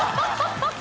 ハハハ